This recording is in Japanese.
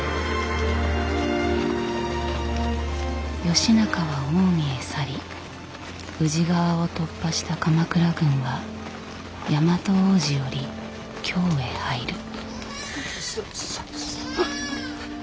義仲は近江へ去り宇治川を突破した鎌倉軍は大和大路より京へ入る。